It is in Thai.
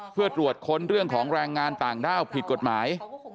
เพื่อตรวจค้นเรื่องของแรงงานต่างด้าวผิดกฎหมาย